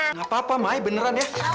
nggak apa apa mai beneran ya